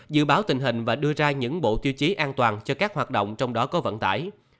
dự báo tình hình và đưa ra những bộ tiêu chí an toàn cho các hoạt động trong đó có vận tải